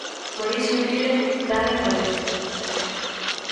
Por iso piden "plan e cabeza".